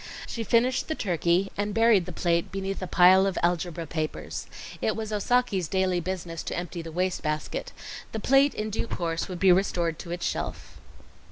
She finished the turkey and buried the plate beneath a pile of algebra papers. It was Osaki's daily business to empty the wastebasket; the plate in due course would be restored to its shelf.